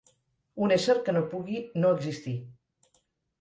Un ésser que no pugui no existir.